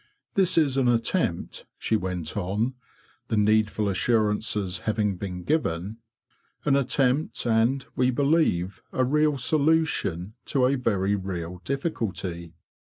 '' This is an attempt,'' she went on—the needful assurances having been given—''an attempt, and, we believe, a real solution to a very real difficulty.